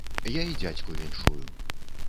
І я дзядзьку віншую.